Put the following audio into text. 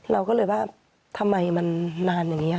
เราก็เลยว่าทำไมมันนานอย่างนี้